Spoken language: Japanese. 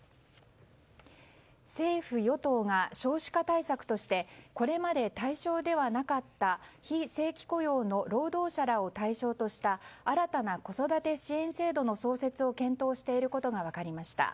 政府・与党が少子化対策としてこれまで対象ではなかった非正規雇用の労働者らを対象とした新たな子育て支援制度の創設を検討していることが分かりました。